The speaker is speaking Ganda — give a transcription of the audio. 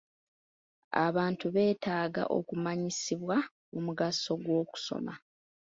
Abantu beetaaga okumanyisibwa omugaso gw'okusoma.